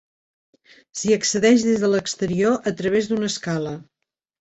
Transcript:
S'hi accedeix des de l'exterior a través d'una escala.